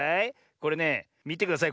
これねみてください